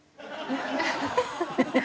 ハハハハ！